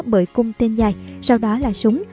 bởi cung tên dài sau đó là súng